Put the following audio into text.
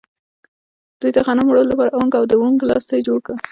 دوی د غنمو وړلو لپاره اونګ او د اونګ لاستی جوړ کړل.